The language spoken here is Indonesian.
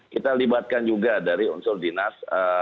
kita libatkan juga dari unsur dinas